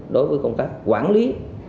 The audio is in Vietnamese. đối với công tác quản lý